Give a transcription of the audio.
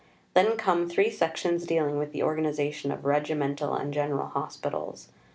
Then come three sections dealing with the organization of Regimental and General Hospitals.